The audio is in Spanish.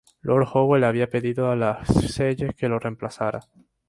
Lord Howe le había pedido a Lascelles que lo reemplazara.